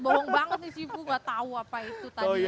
bawang banget nih sifu gak tahu apa itu tadi ya